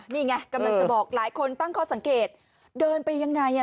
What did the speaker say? นี่ไงกำลังจะบอกหลายคนตั้งข้อสังเกตเดินไปยังไงอ่ะ